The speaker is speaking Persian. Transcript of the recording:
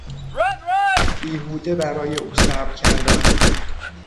بیهوده برای او صبر کردم.